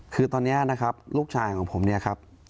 คือตอนนี้นะครับลูกชายของผมเนี่ยครับ